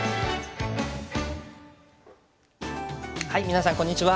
皆さんこんにちは。